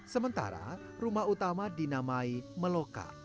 sementara rumah utama dinamai meloka